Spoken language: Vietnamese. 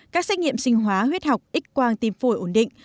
các xét nghiệm sinh hóa huyết học ít quang tim phôi ổn định